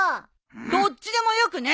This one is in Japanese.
どっちでもよくねえ！